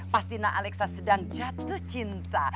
pasti nak alexa sedang jatuh cinta